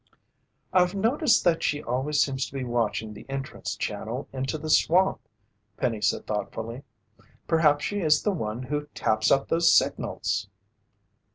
"I've noticed that she always seems to be watching the entrance channel into the swamp," Penny said thoughtfully. "Perhaps she is the one who taps out those signals!"